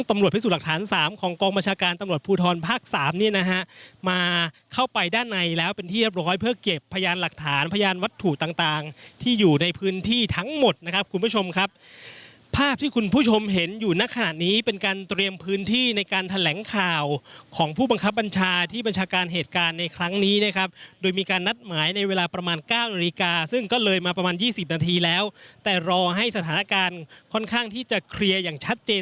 มาเข้าไปด้านในแล้วเป็นที่รับร้อยเพื่อเก็บพยานหลักฐานพยานวัตถุต่างต่างที่อยู่ในพื้นที่ทั้งหมดนะครับคุณผู้ชมครับภาพที่คุณผู้ชมเห็นอยู่นักขนาดนี้เป็นการเตรียมพื้นที่ในการแถลงข่าวของผู้บังคับบัญชาที่บัญชาการเหตุการณ์ในครั้งนี้นะครับโดยมีการนัดหมายในเวลาประมาณเก้านาฬิกาซึ่งก